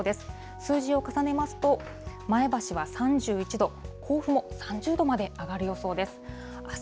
数字を重ねますと、前橋は３１度、甲府も３０度まで上がる予想です。